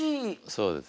そうですね。